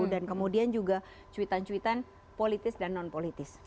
dan kemudian juga cuitan cuitan politis dan non politis